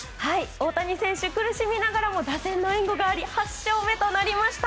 大谷選手、苦しみながらも打線の援護があり８勝目となりました。